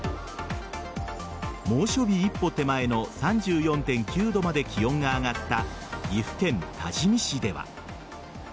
猛暑日一歩手前の３４．９度まで気温が上がった岐阜県多治見市では。